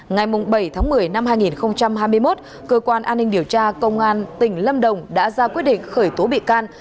ngày bảy tháng một mươi năm hai nghìn hai mươi một cơ quan an ninh điều tra công an tỉnh lâm đồng đã ra quyết định khởi tố bị can